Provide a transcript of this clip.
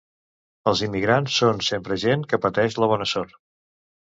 Els immigrants són sempre gent que pateix la bona sort.